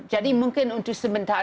jadi mungkin untuk sebentar